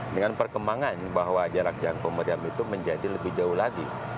dengan perkembangan bahwa jarak jangkau meriam itu menjadi lebih jauh lagi